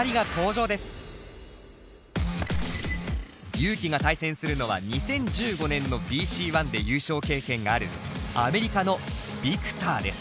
ＹＵ−ＫＩが対戦するのは２０１５年のＢＣＯｎｅで優勝経験があるアメリカのＶｉｃｔｏｒです。